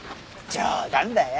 冗談だよ。